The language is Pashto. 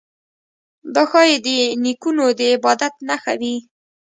دا ښايي د نیکونو د عبادت نښه وي.